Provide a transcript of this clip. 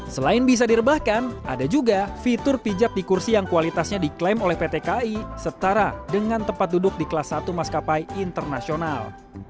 selain bisa direbahkan ada juga fitur pijat di kursi yang kualitasnya diklaim oleh pt kai setara dengan tempat duduk di kelas satu maskapai internasional